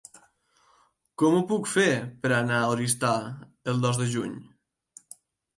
Com ho puc fer per anar a Oristà el dos de juny?